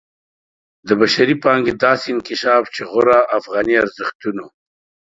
د بشري پانګې داسې انکشاف چې غوره افغاني ارزښتونو